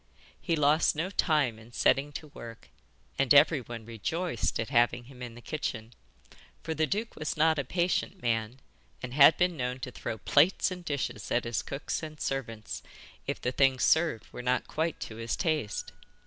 He lost no time in setting to work, and everyone rejoiced at having him in the kitchen, for the duke was not a patient man, and had been known to throw plates and dishes at his cooks and servants if the things served were not quite to his taste.